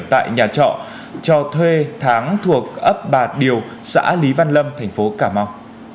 tại nhà trọ cho thuê tháng thuộc ấp bà điều xã lý văn lâm thành phố cà mau